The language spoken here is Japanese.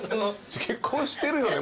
結婚してるよね？